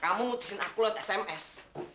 kamu ngutusin aku lewat sms